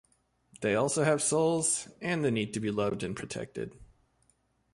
They also have souls, and the need to be loved and protected.